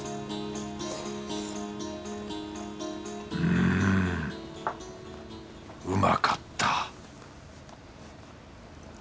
んうまかった